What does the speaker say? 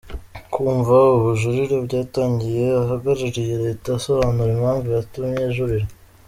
Kumva ubujurire byatangiye uhagarariye leta asobanura impamvu yatumye ajurira.